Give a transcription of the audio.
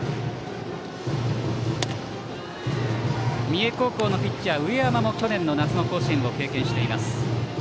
三重高校のピッチャー上山も去年の夏の甲子園を経験しています。